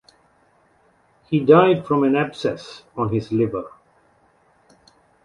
He died from an abscess on his liver.